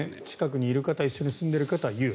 近くに住んでいる方一緒に住んでいる方が言う。